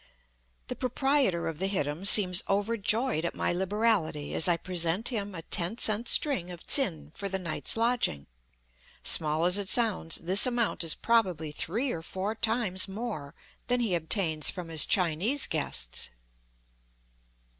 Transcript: The proprietor of the hittim seems overjoyed at my liberality as I present him a ten cent string of tsin for the night's lodging. Small as it sounds, this amount is probably three or four times more than he obtains from his Chinese guests.